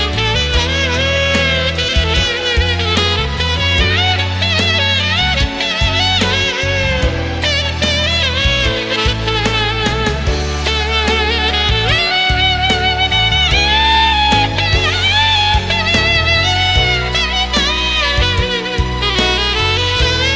ฉันมีเพียงสองมือกับหนึ่งลมหายใจ